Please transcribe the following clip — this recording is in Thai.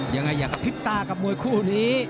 ยังไงอยากพิบตากับมวยคู่นี้